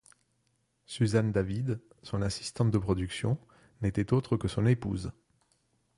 Suzanne David, son assistante de production, n'était autre que son épouse.